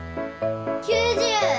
９０！